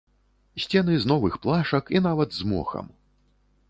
Сцены з новых плашак і нават з мохам.